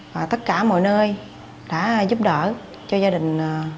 và tất cả mọi nơi đã giúp đỡ cho gia đình